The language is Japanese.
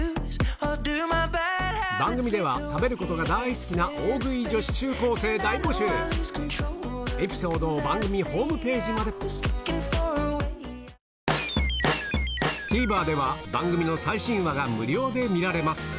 番組では食べることが大好きなエピソードを番組ホームページまでＴＶｅｒでは番組の最新話が無料で見られます